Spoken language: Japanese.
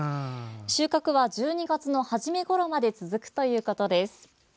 収穫は１２月の初めごろまで続くということです。